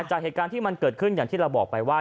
จากเหตุการณ์ที่มันเกิดขึ้นอย่างที่เราบอกไปว่า